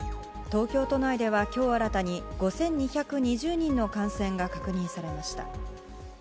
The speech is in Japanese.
東京都内ではきょう新たに、５２２０人の感染が確認されました。